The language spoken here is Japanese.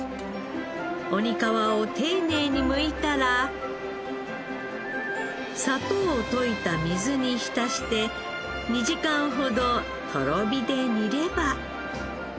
鬼皮を丁寧にむいたら砂糖を溶いた水に浸して２時間ほどとろ火で煮れば。